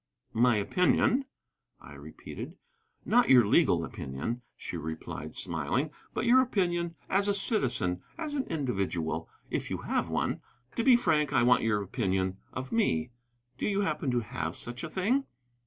"My opinion?" I repeated. "Not your legal opinion," she replied, smiling, "but your opinion as a citizen, as an individual, if you have one. To be frank, I want your opinion of me. Do you happen to have such a thing?"